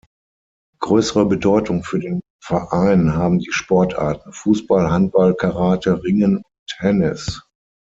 Größere Bedeutung für den Verein haben die Sportarten Fußball, Handball, Karate, Ringen und Tennis.